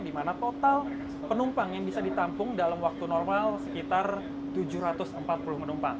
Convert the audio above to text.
di mana total penumpang yang bisa ditampung dalam waktu normal sekitar tujuh ratus empat puluh penumpang